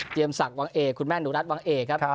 เจียมศักดิ์คุณแม่หนุนรัฐวังเอกครับ